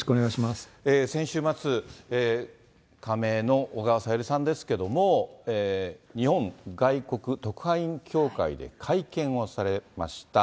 先週末、仮名の小川さゆりさんですけれども、日本外国特派員協会で会見をされました。